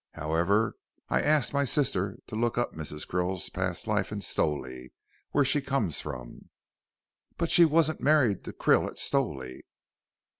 However, I've asked my sister to look up Mrs. Krill's past life in Stowley, where she comes from." "But she wasn't married to Krill at Stowley?"